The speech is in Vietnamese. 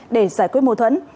để giải quyết mô thuẫn